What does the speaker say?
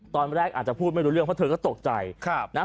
ตอนแรกอาจจะพูดไม่รู้เรื่องเพราะเธอก็ตกใจนะ